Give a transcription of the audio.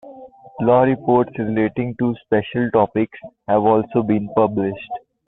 Law reports relating to special topics have also been published.